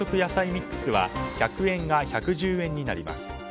ミックスは１００円が１１０円になります。